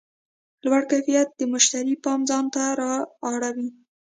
لوړ کیفیت د مشتری پام ځان ته رااړوي.